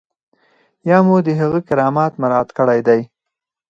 یا مو د هغه کرامت مراعات کړی دی.